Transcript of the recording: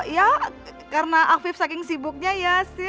ya karena afif saking sibuknya ya sih